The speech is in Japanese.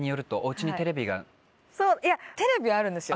いやテレビはあるんですよ